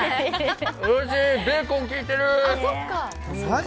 おいしい、ベーコンきいてる！